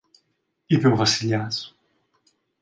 είπε ο Βασιλιάς.